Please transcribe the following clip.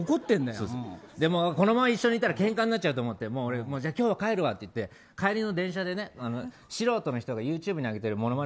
このまま一緒にいたらケンカになっちゃうと思ってじゃあ今日帰るわって言って帰りの電車で素人の人がＹｏｕＴｕｂｅに上げているモノマネ